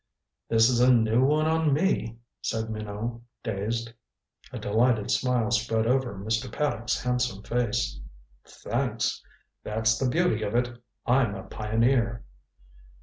"This is a new one on me," said Minot, dazed. A delighted smile spread over Mr. Paddock's handsome face. "Thanks. That's the beauty of it I'm a pioneer.